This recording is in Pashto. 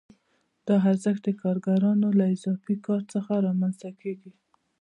دا ارزښت د کارګرانو له اضافي کار څخه رامنځته کېږي